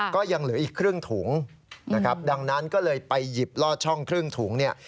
ก็ยังเหลืออีกครึ่งถุงนะครับดังนั้นก็เลยไปหยิบลอดช่องครึ่งถุงเนี่ย